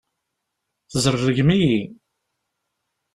Tzerrgem-iyi.